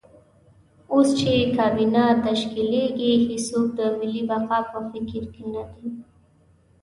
اوس چې کابینه تشکیلېږي هېڅوک د ملي بقا په فکر کې نه دي.